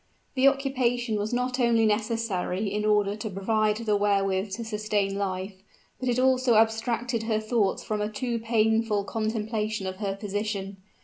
The occupation was not only necessary in order to provide the wherewith to sustain life, but it also abstracted her thoughts from a too painful contemplation of her position.